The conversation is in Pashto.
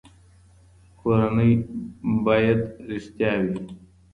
کورنۍ باید رښتیا وي.